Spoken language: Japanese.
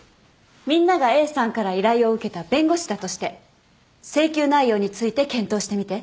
みんながＡさんから依頼を受けた弁護士だとして請求内容について検討してみて。